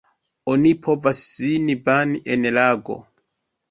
Oni povas sin bani en lago.